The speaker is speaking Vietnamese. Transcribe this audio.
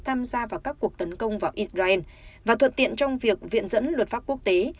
tham gia vào các cuộc tấn công vào israel và thuận tiện trong việc viện dẫn luật pháp quốc tế